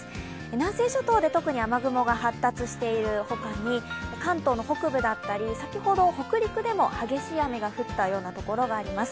南西諸島で特に雨雲が発達しているほかに、関東の北部だったり先ほど北陸でも激しい雨が降ったところがあります。